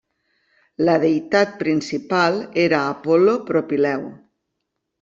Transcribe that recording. La deïtat principal era l'Apol·lo Propileu.